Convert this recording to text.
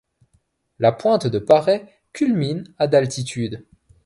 La pointe de Paray culmine à d'altitude.